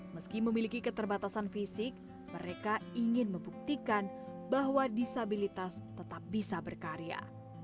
meski memiliki keterbatasan fisik mereka ingin membuktikan bahwa disabilitas tetap bisa berkarya